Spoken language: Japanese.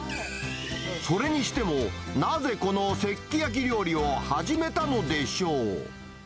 それにしても、なぜこの石器焼料理を始めたのでしょう。